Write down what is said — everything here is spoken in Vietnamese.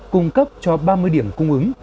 cung cấp cho ba mươi điểm cung ứng